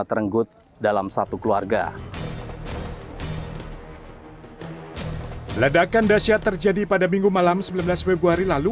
terenggut dalam satu keluarga ledakan dasyat terjadi pada minggu malam sembilan belas februari lalu